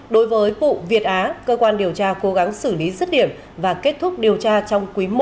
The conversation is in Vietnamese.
đối với vụ việt á cơ quan điều tra cố gắng xử lý dứt điểm và kết thúc điều tra trong quý i năm hai nghìn hai mươi ba